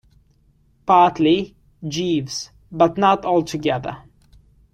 Partly, Jeeves, but not altogether.